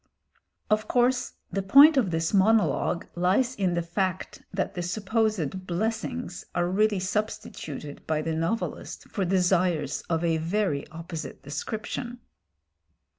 Of course the point of this monologue lies in the fact that the supposed blessings are really substituted by the novelist for desires of a very opposite description.